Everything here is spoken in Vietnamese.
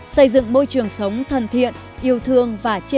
xây dựng môi trường sống thần thiên